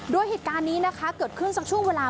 โดยเหตุการณ์นี้นะคะเกิดขึ้นสักช่วงเวลา